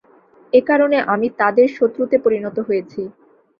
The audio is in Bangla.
এ কারণে আমি তাদের শত্রুতে পরিণত হয়েছি।